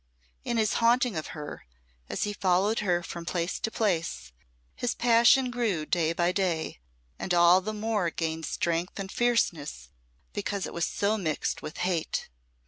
In his haunting of her, as he followed her from place to place, his passion grew day by day, and all the more gained strength and fierceness because it was so mixed with hate.